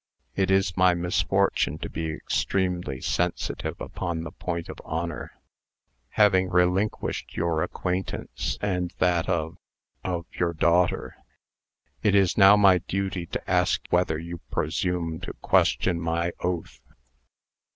It is my misfortune to be extremely sensitive upon the point of honor. Having relinquished your acquaintance and that of of your daughter, it is now my duty to ask whether you presume to question my oath?"